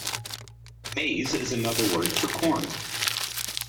Maize is another word for corn